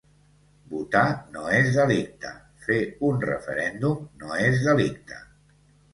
Votar no és delicte, fer un referèndum no és delicte.